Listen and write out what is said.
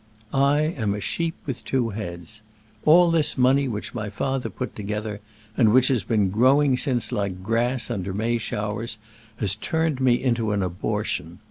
I am a sheep with two heads. All this money which my father put together, and which has been growing since like grass under May showers, has turned me into an abortion.